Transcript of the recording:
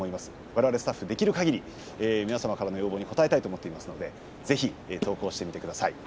われわれ、スタッフできるかぎり皆さんからの要望に応えたいと思っておりますのでぜひ投稿をしてみてください。